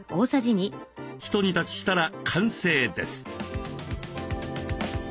ひと煮立ちしたら完成です。